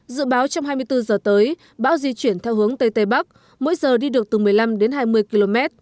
dự báo trong hai mươi bốn giờ tới bão di chuyển theo hướng tây tây bắc mỗi giờ đi được từ một mươi năm đến hai mươi km